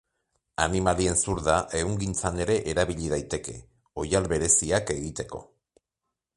Animalien zurda ehungintzan ere erabili daiteke, oihal bereziak egiteko.